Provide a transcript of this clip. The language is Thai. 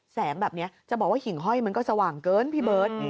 แสงแบบนี้จะบอกว่าหิ่งห้อยมันก็สว่างเกินพี่เบิร์ต